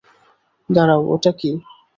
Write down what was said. দাঁড়াও, ওটা কী?